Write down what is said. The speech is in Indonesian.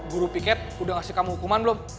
guru piket udah ngasih kamu hukuman belum